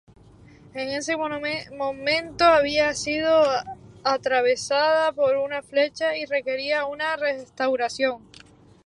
En ese momento había sido atravesada por una flecha y requería una restauración.